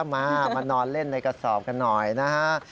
มามานอนเล่นในกระสอบกันหน่อยนะฮะ